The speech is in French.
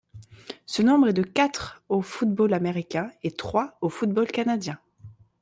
Ce nombre est de quatre au football américain, et trois au football canadien.